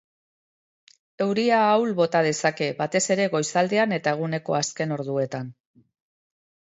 Euria ahul bota dezake, batez ere goizaldean eta eguneko azken orduetan.